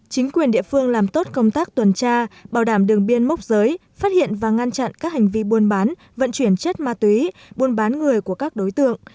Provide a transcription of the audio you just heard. chính quyền địa phương làm tốt công tác tuần tra bảo đảm đường biên mốc giới phát hiện và ngăn chặn các hành vi buôn bán vận chuyển chất ma túy buôn bán người của các đối tượng